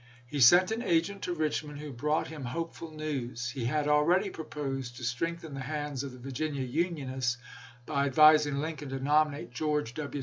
He sent an agent to Richmond, who brought him hopeful news. He had already proposed to strengthen the hands of the Virginia unionists by advising Lin coln to nominate George W.